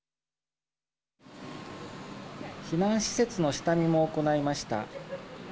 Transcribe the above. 避難施設の下見も行いました。